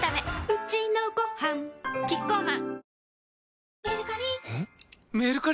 うちのごはんキッコーマン